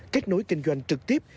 kết nối kinh doanh trực tiếp